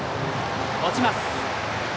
落ちます。